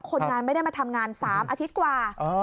คนงานไม่ได้มาทำงาน๓อาทิตย์กว่า